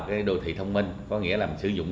cái đô thị thông minh có nghĩa là mình sử dụng